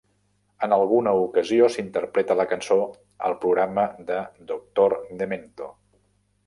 En alguna ocasió s'interpreta la cançó al programa de Doctor Demento.